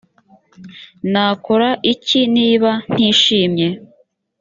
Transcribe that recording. nakora iki niba ntishimiye